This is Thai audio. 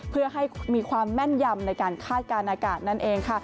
เพื่อให้มีความแม่นยำในการคาดการณ์อากาศนั่นเองค่ะ